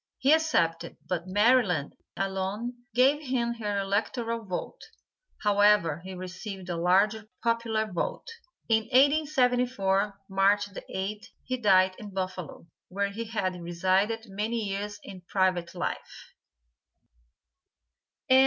He accepted, but Maryland alone gave him her electoral vote; however, he received a large popular vote. In 1874, March the 8th, he died in Buffalo, where he had resided many years in private life.